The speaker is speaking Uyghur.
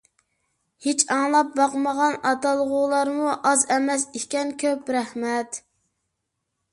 ھېچ ئاڭلاپ باقمىغان ئاتالغۇلارمۇ ئاز ئەمەس ئىكەن. كۆپ رەھمەت.